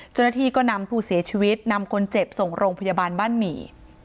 เจ้าหน้าที่ก็นำผู้เสียชีวิตนำคนเจ็บส่งโรงพยาบาลบ้านหมี่